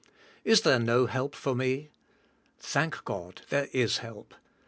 Is there no help for me? Thank God, there is help.